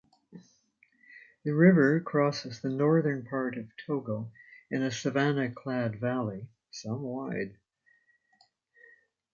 The river crosses the northern part of Togo in a savannah-clad valley some wide.